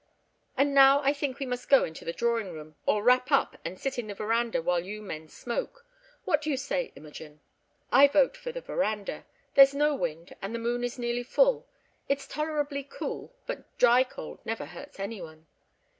And now I think we must go into the drawing room, or wrap up and sit in the verandah while you men smoke; what do you say, Imogen?" "I vote for the verandah. There's no wind, and the moon is nearly full. It's tolerably cool; but dry cold never hurts any one.